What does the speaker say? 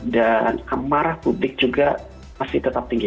dan amarah publik juga masih tetap tinggi